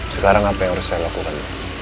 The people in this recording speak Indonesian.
sekarang apa yang harus saya lakukan